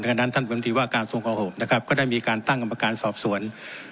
ขณะนั้นท่านบนตรีว่าการทรงกระหมนะครับก็ได้มีการตั้งกรรมการสอบสวน